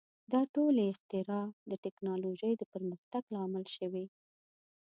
• دا ټولې اختراع د ټیکنالوژۍ د پرمختګ لامل شوې.